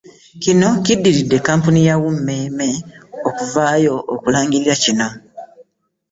Kino kiddiridde Kkampuni ya UMEME okuvaayo okulangirira kino